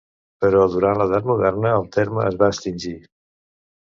Però durant l'edat moderna el terme es va extingir.